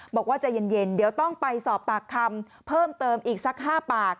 บอกว่าใจเย็นเดี๋ยวต้องไปสอบปากคำเพิ่มเติมอีกสัก๕ปาก